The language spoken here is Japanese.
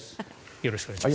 よろしくお願いします。